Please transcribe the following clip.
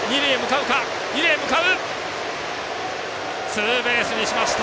ツーベースにしました。